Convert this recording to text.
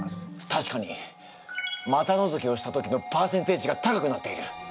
たしかに股のぞきをした時のパーセンテージが高くなっている。